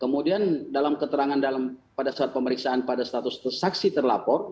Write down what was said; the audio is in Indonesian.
kemudian dalam keterangan dalam pada saat pemeriksaan pada status saksi terlapor